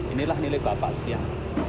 inilah nilai bapak sekian